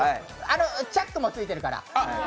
チャックもついてるから。